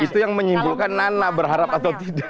itu yang menyimpulkan nana berharap atau tidak